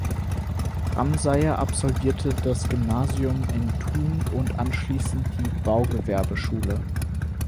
Ramseyer absolvierte das Gymnasium in Thun und anschliessend die Baugewerbeschule.